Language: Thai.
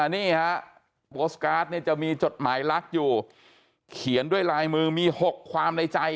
นี่ฮะโพสต์การ์ดเนี่ยจะมีจดหมายลักษณ์อยู่เขียนด้วยลายมือมี๖ความในใจ